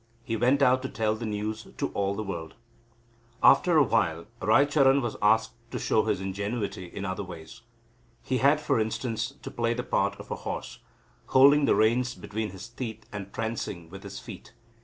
He went out to tell the news to all the world. After a while Raicharan was asked to show his ingenuity in other ways. He had, for instance, to play the part of a horse, holding the reins between his teeth and prancing with his feet.